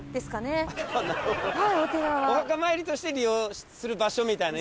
お墓参りとして利用する場所みたいなイメージ。